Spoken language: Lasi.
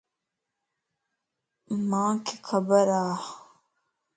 مانک خبر ا.